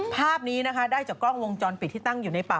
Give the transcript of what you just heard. ภาพนี้นะคะได้จากกล้องวงจรปิดที่ตั้งอยู่ในป่า